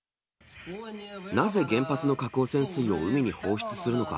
なぜ原発の核汚染水を海に放出するのか？